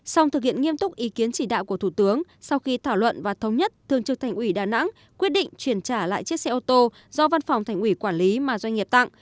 sau thực hiện nghiêm túc ý kiến chỉ đạo của thủ tướng sau khi thảo luận và thống nhất thường trực thành ủy đà nẵng quyết định chuyển trả lại chiếc xe ô tô do văn phòng thành ủy quản lý mà doanh nghiệp tặng